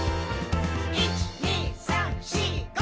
「１．２．３．４．５．」